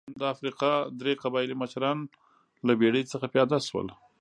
د افریقا درې قبایلي مشران له بېړۍ څخه پیاده شول.